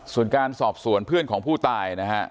ส่วนการสอบสวนเพื่อนของผู้ตายนะฮะ